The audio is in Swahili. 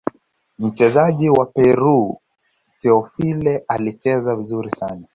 mchezaji wa peru teofile alicheza vizuri sana